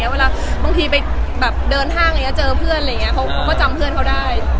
เวลาบางที่ไปเดินทางเจอเพื่อนเค้าก็จำเขาได้